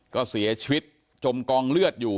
ก็เสียชีวิตจมกองเลือดอยู่